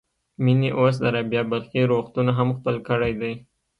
مينې اوس د رابعه بلخي روغتون هم خپل کړی دی.